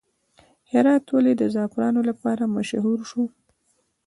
هرات ولې د زعفرانو لپاره مشهور شو؟